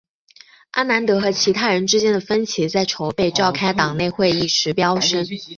阿南德和其他人之间的分歧在筹备召开党内会议时飙升。